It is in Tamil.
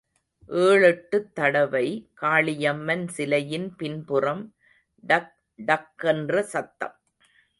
ஏழெட்டுத் தடவை, காளியம்மன் சிலையின் பின்புறம் டக்டக் கென்ற சத்தம்.